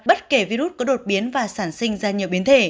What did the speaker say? bất kể virus có đột biến và sản sinh ra nhiều biến thể